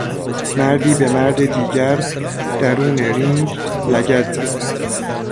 مردی به مرد دیگر درون رینگ لگد زد.